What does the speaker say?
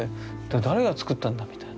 誰が作ったんだみたいな。